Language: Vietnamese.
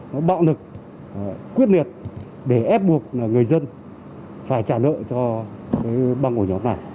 nó bạo lực quyết liệt để ép buộc người dân phải trả nợ cho băng ổ nhóm này